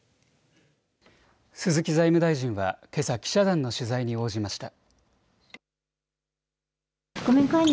鈴木財務大臣はけさ記者団の取材に応じました。